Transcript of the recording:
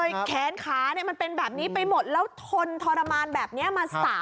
มันคันค่ะเยอะเลยอ่ะ